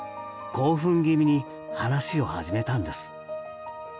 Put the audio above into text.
興奮気味に話を始めたんです。